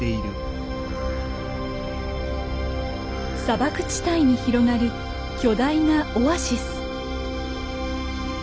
砂漠地帯に広がる巨大な「オアシス」。